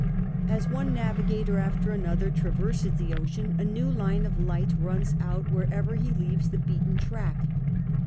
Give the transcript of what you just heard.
As one navigator after another traverses the ocean, a new line of light runs out wherever he leaves the beaten track.